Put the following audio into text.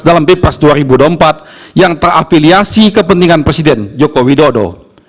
dalam pprs dua ribu empat yang terafiliasi kepentingan presiden joko widodo